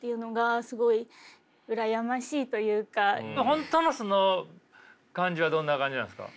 本当の素の感じはどんな感じなんですか。